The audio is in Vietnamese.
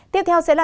tiếp theo sẽ là